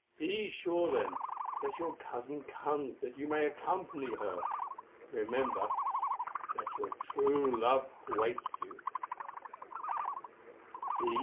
Be sure then that your cousin comes that you may accompany her. Remember that your true love waits you.